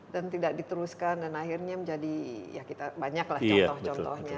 dan tidak diteruskan dan akhirnya menjadi ya kita banyak lah contoh contohnya